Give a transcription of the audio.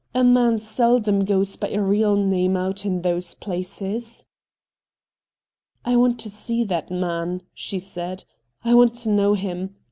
A man sel dom goes by a real name out in those places.' ' I want to see that man,' she said ;' I want to know him.